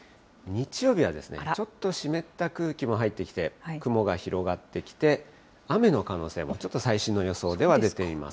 日曜日はですね、ちょっと湿った空気も入ってきて、雲が広がってきて、雨の可能性も、ちょっと最新の予想では出ています。